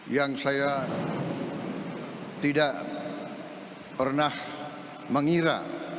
yang saya tidak pernah mengira